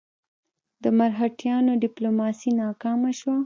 د مرهټیانو ډیپلوماسي ناکامه شوه.